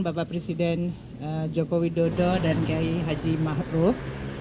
bapak presiden joko widodo dan gai haji mahdruf